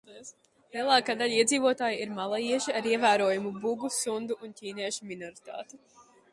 Lielākā daļa iedzīvotāju ir malajieši ar ievērojamu bugu, sundu un ķīniešu minoritāti.